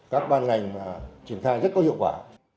các ban ngành mà triển khai rất có hiệu quả